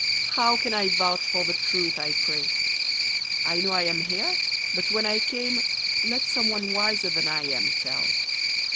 How can I vouch for the truth, I pray ? I know I am here, but when I came Let some one wiser than I am tell